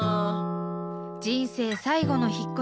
人生最後の引っ越し。